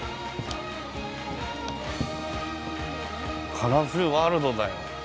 カラフルワールドだよ。